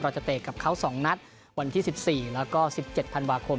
เราจะเตะกับเขาสองนัดวันที่๑๔แล้วก็๑๗พันวาคม